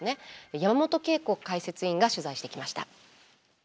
山本恵子解説委員が取材してきました。